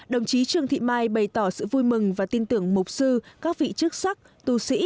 đồng chí trương thị mai bày tỏ sự vui mừng và tin tưởng mục sư các vị chức sắc tu sĩ